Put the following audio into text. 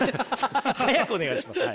早くお願いします。